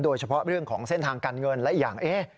โดยเฉพาะเรื่องของเส้นทางการเงินและอีกอย่าง